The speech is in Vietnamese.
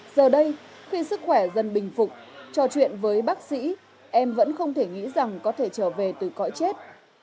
giờ đây khi sức khỏe dần bình phục trò chuyện với bác sĩ em vẫn không thể nghĩ rằng có thể trở về từ cõi chết